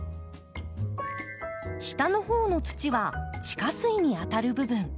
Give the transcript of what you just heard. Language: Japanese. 下のほうの土は地下水にあたる部分。